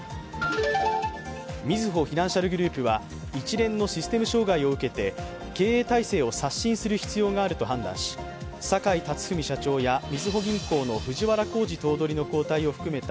みずほフィナンシャルグループは一連のシステム障害を受けて経営体制を刷新する必要があると判断し、坂井辰史社長やみずほ銀行の藤原弘治頭取の交代を含めた